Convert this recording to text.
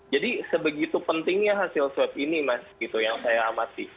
jadi sebegitu pentingnya hasil swab ini mas itu yang saya amati